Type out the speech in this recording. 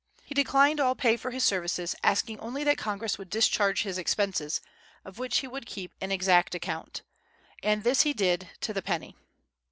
He declined all pay for his services, asking only that Congress would discharge his expenses, of which he would "keep an exact account." And this he did, to the penny.